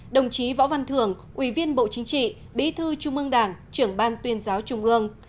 đồng chí võ văn thường ủy viên bộ chính trị bí thư trung ương đảng trưởng ban tuyên giáo trung ương